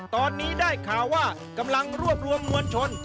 ตอนนี้ได้ข่าวว่ากำลังรวบรวมมวลชน